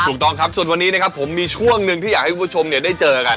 ถูกต้องครับส่วนวันนี้นะครับผมมีช่วงหนึ่งที่อยากให้คุณผู้ชมได้เจอกัน